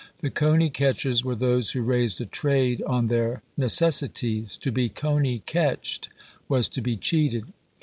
The coney catchers were those who raised a trade on their necessities. To be "conie catched" was to be cheated.